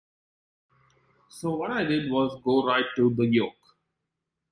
So what I did was go right to the 'yoke'.